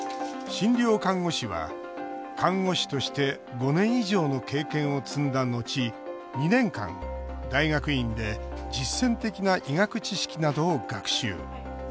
診療看護師は看護師として５年以上の経験を積んだ後２年間大学院で実践的な医学知識などを学習。